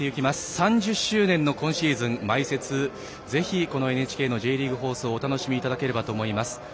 ３０周年の今シーズン前節、ぜひこのＮＨＫでＪリーグ放送をお楽しみいただければと思います。